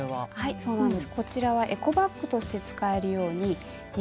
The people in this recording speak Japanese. そうなんです。